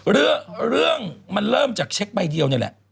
เรื่องมันเริ่มจากเช็คใบเดียวนี่แหละ